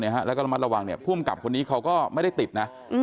แล้วก็มาระวังผู้กำกับคนนี้เขาก็ไม่ได้ติดนะ